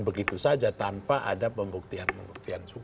begitu saja tanpa ada pembuktian pembuktian